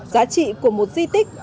giá trị của một di tích